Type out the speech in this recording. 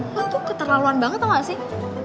lo tuh keterlaluan banget tau gak sih